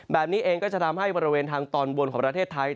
แบบนี้เองก็จะทำให้บริเวณทางตอนบนของประเทศไทย